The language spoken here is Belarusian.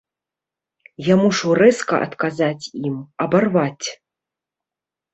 Я мушу рэзка адказаць ім, абарваць.